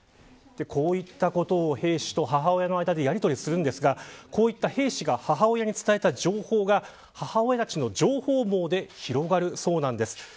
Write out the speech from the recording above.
こういったことを兵士と母親の間でやりとりするんですがこういった兵士が母親に伝えた情報が母親たちの情報網で広がるそうなんです。